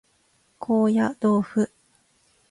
高野豆腐